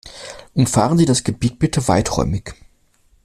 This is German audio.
Umfahren Sie das Gebiet bitte weiträumig.